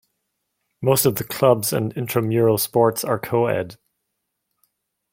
Most of the clubs and intramural sports are coed.